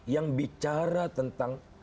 yang bicara tentang